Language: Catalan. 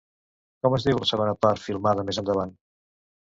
Com es diu la segona part filmada més endavant?